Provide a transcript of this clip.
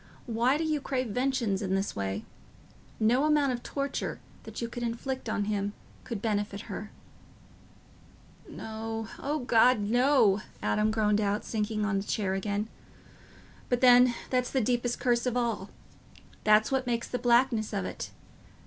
Why do you crave vengeance in this way? No amount of torture that you could inflict on him could benefit her." "No—O God, no," Adam groaned out, sinking on his chair again; "but then, that's the deepest curse of all... that's what makes the blackness of it...